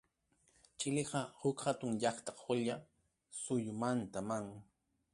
Chileqa huk hatun llaqta qulla suyumantam.